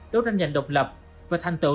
đối tranh nhành độc lập và thành tựu